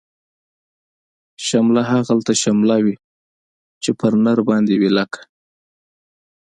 شمله هغلته شمله وی، چه په نرباندی وی لکه